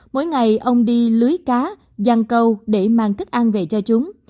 mỗi ngày ông đi lưới cá dăng câu để mang thức ăn về cho chúng